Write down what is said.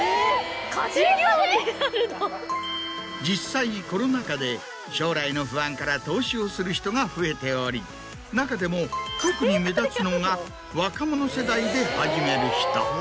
実際にコロナ禍で将来の不安から投資をする人が増えており中でも特に目立つのが若者世代で始める人。